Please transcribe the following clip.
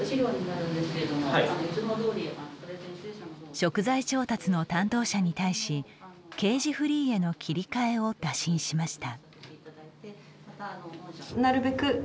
食材調達の担当者に対しケージフリーへの切り替えを打診しました。